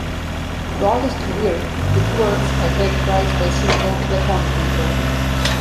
Throughout his career, his works are characterized by a simple, laconic nature.